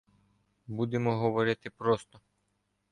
Будемо говорити просто.